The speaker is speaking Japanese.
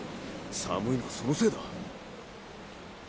寒いのはそのせいだ。